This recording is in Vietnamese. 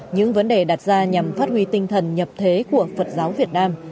những vấn đề đặt ra nhằm phát huy tinh thần nhập thế của phật giáo việt nam